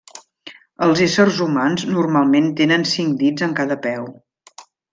Els éssers humans normalment tenen cinc dits en cada peu.